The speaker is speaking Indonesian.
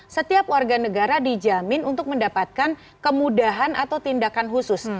setiap warga negara dijamin untuk mendapatkan kemudahan atau tindakan khusus